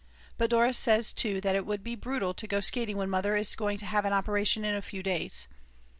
But Dora says too that it would be brutal to go skating when Mother is going to have an operation in a few days.